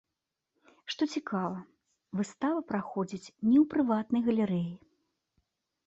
Што цікава, выстава праходзіць не ў прыватнай галерэі.